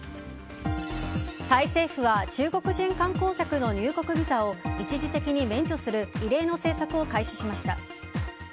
タイ政府は中国人観光客の入国ビザを一時的に免除する異例の政策を開始しました。